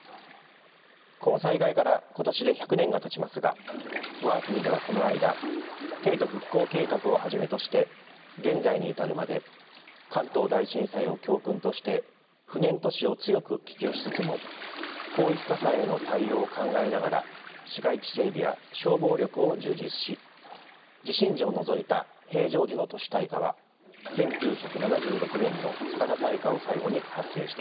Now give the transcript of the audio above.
この災害から今年で１００年がたちますが我が国ではこの間帝都復興計画をはじめとして現在に至るまで関東大震災を教訓として不燃都市を強く希求しつつも広域火災への対応を考えながら市街地整備や消防力を充実し地震時を除いた平常時の都市大火は１９７６年の酒田大火を最後に発生していません。